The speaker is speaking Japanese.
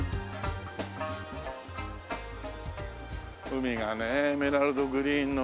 海がねエメラルドグリーンの海が。